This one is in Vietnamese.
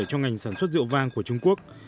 cho ngành sản xuất rượu vang của trung quốc